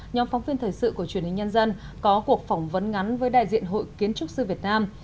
nhóm phóng viên thời sự của truyền hình nhân dân có cuộc phỏng vấn ngắn với đại diện hội kiến trúc sư việt nam